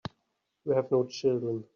You have no children.